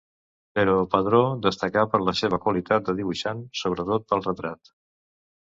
Però Padró destacà per la seva qualitat de dibuixant, sobretot pel retrat.